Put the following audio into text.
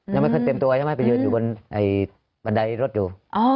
ยังไม่ขึ้นเต็มตัวใช่ไหมไปยืนอยู่บนไอ้บันไดรถอยู่อ๋ออ๋ออ๋อ